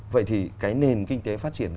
vậy thì cái nền kinh tế phát triển